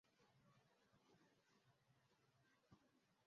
Teka amazzi mu nsuwa ogateeke ku muliro